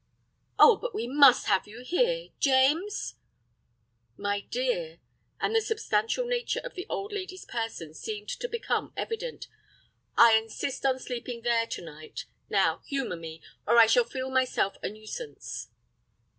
"Oh—but we must have you here. James—" "My dear," and the substantial nature of the old lady's person seemed to become evident, "I insist on sleeping there to night. Now, humor me, or I shall feel myself a nuisance."